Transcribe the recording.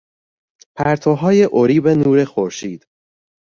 پرتوهای اریب نور خورشید